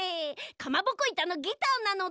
かまぼこいたのギターなのだ。